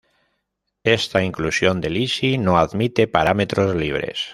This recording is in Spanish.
Esta inclusión de Lisi no admite parámetros libres.